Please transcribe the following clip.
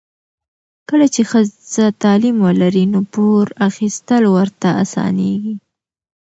کله چې ښځه تعلیم ولري، نو پور اخیستل ورته اسانېږي.